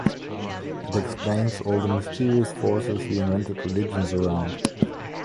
It explains all the mysterious forces we invented religions around.